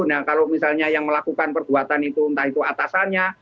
nah kalau misalnya yang melakukan perbuatan itu entah itu atasannya